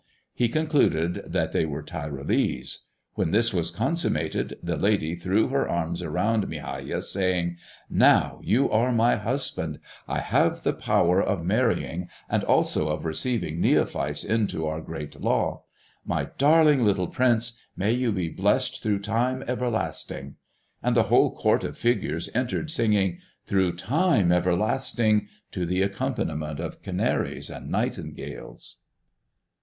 He concluded that they were Tyrolese. When this was consummated, the lady threw her arms about Migajas, saying, "Now you are my husband. I have the power of marrying, and also of receiving neophytes into our Great Law. My darling little prince, may you be blessed through time everlasting!" And the whole court of figures entered, singing, "Through time everlasting!" to the accompaniment of canaries and nightingales.